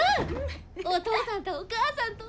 お父さんとお母さんと３人で海！